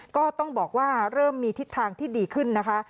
ก็ต้องบอกว่าเริ่มมีทิศทางที่ดีขึ้นนะคะ